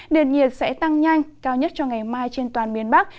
nền nhiệt sẽ tăng nhanh cao nhất cho ngày mai trên toàn miền bắc